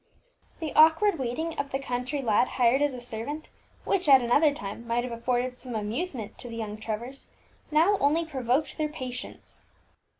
The awkward waiting of the country lad hired as a servant, which, at another time, might have afforded some amusement to the young Trevors, now only provoked their patience.